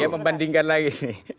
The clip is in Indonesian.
ya membandingkan lagi nih